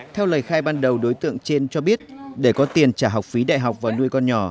theo lời khai ban đầu đối tượng trên cho biết để có tiền trả học phí đại học và nuôi con nhỏ